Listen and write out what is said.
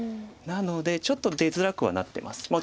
なのでちょっと出づらくはなってます。